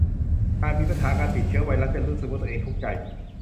หากมีปัญหาการติดเชื้อไวรัสจะรู้สึกว่าตัวเองทุกข์ใจ